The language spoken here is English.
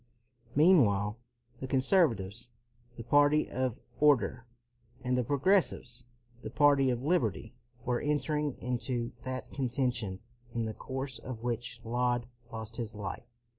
Meanwhile the conservatives, the party of order, and the progressives, the party of liberty, were entering into that conten tion in the course of which Laud lost his life.